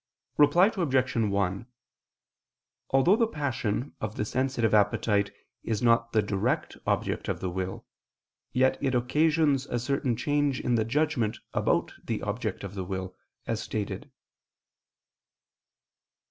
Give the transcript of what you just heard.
Reply Obj. 1: Although the passion of the sensitive appetite is not the direct object of the will, yet it occasions a certain change in the judgment about the object of the will, as stated.